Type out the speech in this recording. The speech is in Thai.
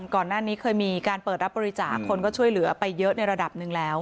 ก่อนหน้านี้เคยมีการเปิดรับบริจาคคนก็ช่วยเหลือไปเยอะในระดับหนึ่งแล้ว